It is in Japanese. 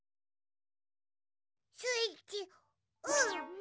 スイッチオン！